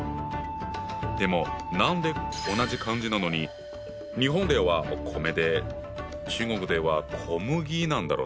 でも何で同じ漢字なのに日本ではお米で中国では小麦なんだろね？